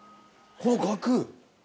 この額？